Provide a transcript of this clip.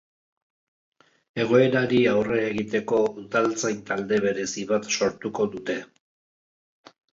Egoerari aurre egiteko, udaltzain talde berezi bat sortuko dute.